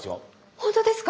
本当ですか？